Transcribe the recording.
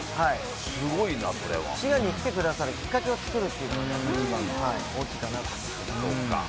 滋賀に来てくださるきっかけを作るっていうのが一番大きいかなと思ってます。